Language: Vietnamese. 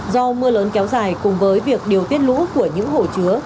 do mưa lớn kéo dài cùng với việc điều tiết lũ của những hồ chứa